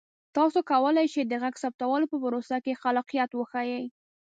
تاسو کولی شئ د غږ ثبتولو په پروسه کې خلاقیت وښایئ.